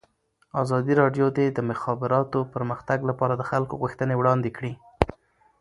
ازادي راډیو د د مخابراتو پرمختګ لپاره د خلکو غوښتنې وړاندې کړي.